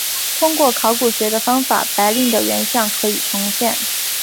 通过考古学的方法白令的原像可以重现。